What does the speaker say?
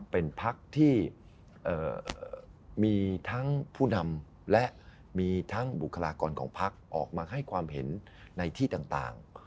เป็นพักที่มีทั้งผู้นำและมีทั้งบุคลากรของพักออกมาให้ความเห็นในที่ต่าง